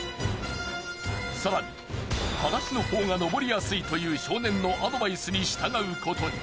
更に裸足のほうが登りやすいという少年のアドバイスに従うことに。